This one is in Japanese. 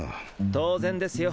当然ですよ